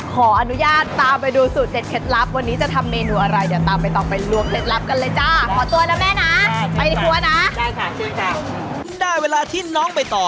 ขออนุญาตตามไปดูสูตรเด็ดเพชรลัพธ์